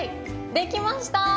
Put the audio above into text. できました！